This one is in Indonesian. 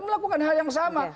melakukan hal yang sama